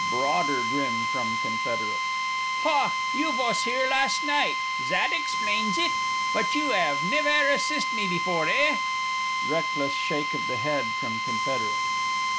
(Broader grin from Confederate.) Hah you vos 'ere last night? zat exblains it! But you 'ave nevaire assist me befoor, eh? (_Reckless shake of the head from Confederate.